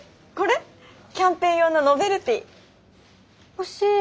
欲しい。